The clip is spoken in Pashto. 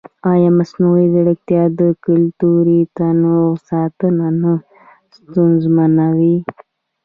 ایا مصنوعي ځیرکتیا د کلتوري تنوع ساتنه نه ستونزمنوي؟